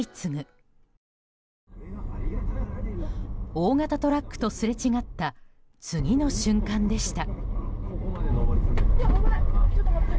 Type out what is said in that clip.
大型トラックとすれ違った次の瞬間でした。